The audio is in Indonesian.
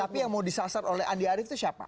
tapi yang mau disasar oleh andi arief itu siapa